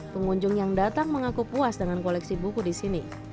pengunjung yang datang mengaku puas dengan koleksi buku di sini